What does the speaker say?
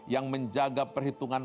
yang menjaga perhitungan